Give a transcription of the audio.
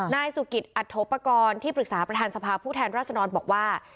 นายสุกิทรอัทธบกรที่ปรึกษาประทานสภาผู้แทนราชนอนบอกว่า